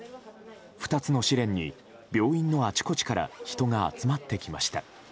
２つの試練に病院のあちこちから人が集まってきました。